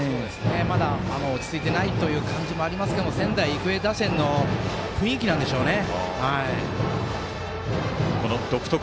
まだ落ち着いていないという感じもありますが仙台育英打線の雰囲気なんでしょうね。